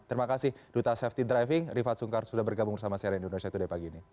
terima kasih duta safety driving rifat sungkar sudah bergabung bersama saya di indonesia today pagi ini